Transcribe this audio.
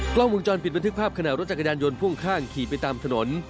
กล้องวงจรปิดบันทึกภาพขณะรถจักรยานยนต์พ่วงข้างขี่ไปตามถนน